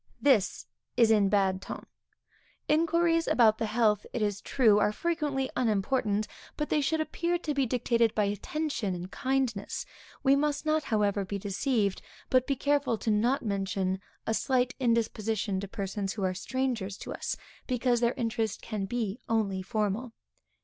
This is in bad ton. Inquiries about the health, it is true, are frequently unimportant, but they should appear to be dictated by attention and kindness. We must not however be deceived, but be careful not to mention a slight indisposition to persons who are strangers to us, because their interest can be only formal.